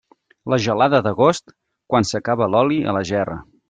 La gelada d'agost, quan s'acaba l'oli a la gerra.